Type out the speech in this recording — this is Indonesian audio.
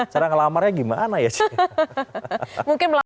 cara ngelamarnya gimana ya